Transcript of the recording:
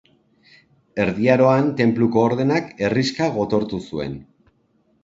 Erdi Aroan, Tenpluko Ordenak herrixka gotortu zuen.